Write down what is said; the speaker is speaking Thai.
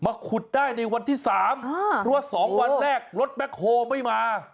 ขุดได้ในวันที่๓เพราะว่า๒วันแรกรถแบ็คโฮไม่มา